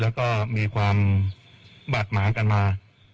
แล้วก็มีความบาดหมางกันมา